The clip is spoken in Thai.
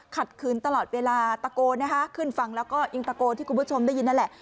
คืนตลอดเวลาตะโกนนะคะขึ้นฟังแล้วก็ยังตะโกนที่คุณผู้ชมได้ยินนั่นแหละ